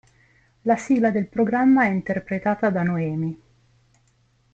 La sigla del programma è interpretata da Noemi.